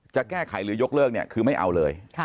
จะแก้ไขหรือยกเลิกเนี่ยคือไม่เอาเลย